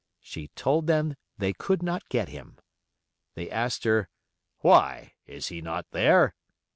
She told them they could not get him. They asked her, "Why? Is he not there?"